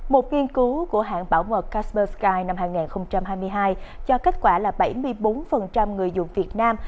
một nghiên cứu của hãng bảo mật casper sky năm hai nghìn hai mươi hai cho kết quả là bảy mươi bốn người dùng việt nam